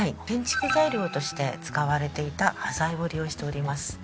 建築材料として使われていた端材を利用しております。